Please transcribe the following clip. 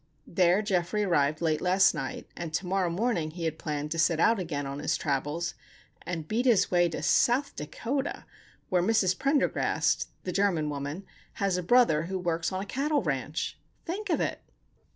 There Geoffrey arrived late last night, and to morrow morning he had planned to set out again on his travels and beat his way to South Dakota, where Mrs. Prendergast, the German woman, has a brother who works on a cattle ranch! Think of it!